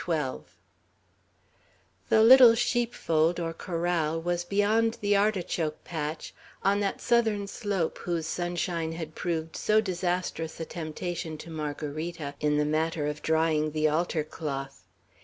XII THE little sheepfold, or corral, was beyond the artichoke patch, on that southern slope whose sunshine had proved so disastrous a temptation to Margarita in the matter of drying the altar cloth.